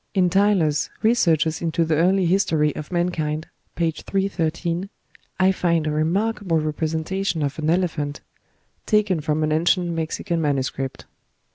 In Tylor's "Researches into the Early History of Mankind," p. 313, I find a remarkable representation of an elephant, taken from an ancient Mexican manuscript.